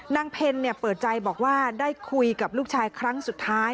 เพลเปิดใจบอกว่าได้คุยกับลูกชายครั้งสุดท้าย